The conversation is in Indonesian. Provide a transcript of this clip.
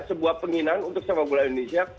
sebuah penghinaan untuk sepak bola indonesia